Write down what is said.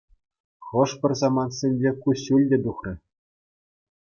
Хӑш-пӗр самантсенче куҫҫуль те тухрӗ.